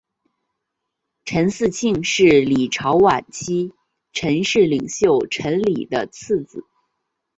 陈嗣庆是李朝晚期陈氏领袖陈李的次子。